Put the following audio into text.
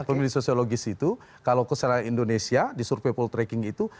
pemilih sosiologis itu kalau keserahan indonesia di survei poltreking itu